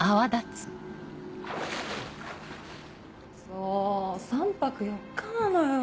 そう３泊４日なのよ。